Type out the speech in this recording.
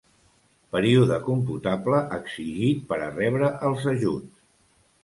Període computable exigit per rebre els ajuts.